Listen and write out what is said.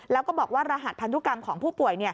แล้วก็บอกว่ารหัสพันธุกรรมของผู้ป่วย